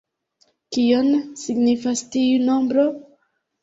Kion signifas tiu nombro?